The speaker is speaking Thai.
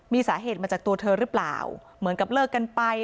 มีสาเหตุมาจากตัวเธอหรือเปล่าเหมือนกับเลิกกันไป